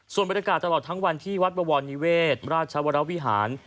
ส่วนบรรยากาศตลอดทั้งวันที่วัดบวรนิเวศราชวรวิหาร